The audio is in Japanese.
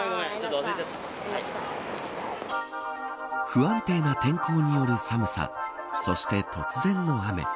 不安定な天候による寒さそして、突然の雨。